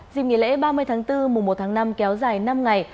dịp nghỉ lễ ba mươi tháng bốn mùa một tháng năm kéo dài năm ngày